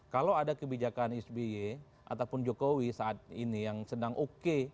kalau ada kebijakan sby ataupun jokowi saat ini yang sedang oke